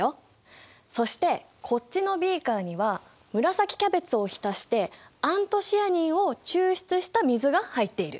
そしてこっちのビーカーには紫キャベツを浸してアントシアニンを抽出した水が入っている。